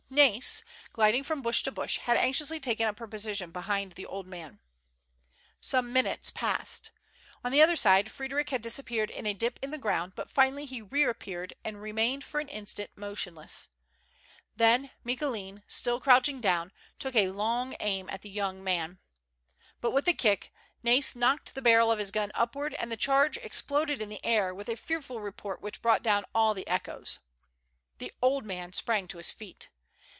Nais, gliding from bush to bash, had anxiously taken up her position behind the old man. Some minutes passed. On the other side Frederic had disappeared in a dip in the ground, but finally he reap peared, and remained for an instant motionless. Then Micoulin, still crouching down, took a long aim at the young man. But with a kick Nais knocked the barrel of his gun upward, and the charge exploded in the air with a fearful report which brought down all the echoes. The old man sprang to his feet.